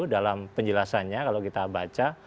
dalam penjelasannya kalau kita baca